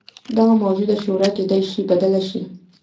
دغه موجوده شورا کېدای شي بدله شي.